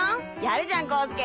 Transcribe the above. やるじゃん功介！